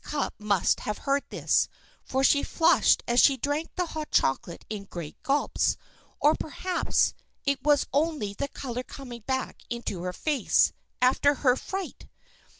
Cupp must have heard this, for she flushed as she drank the hot chocolate in great gulps. Or, perhaps, it was only the color coming back into her face, after her fright.